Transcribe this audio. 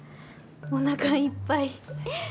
おなかいっぱい。